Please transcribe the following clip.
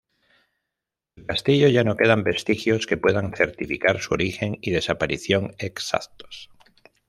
Del castillo ya no quedan vestigios que puedan certificar su origen y desaparición exactos.